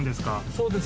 そうです。